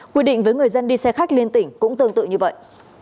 quy định với người dân đi xe khách liên tỉnh cũng tương tự như vậy